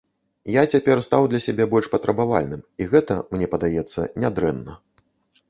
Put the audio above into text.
Я цяпер стаў для сябе больш патрабавальным і гэта, мне падаецца, не дрэнна.